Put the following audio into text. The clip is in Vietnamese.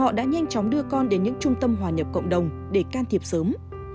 họ đã nhanh chóng đưa con đến những trung tâm hòa nhập cộng đồng để can thiệp sớm